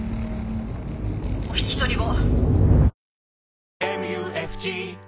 お引き取りを。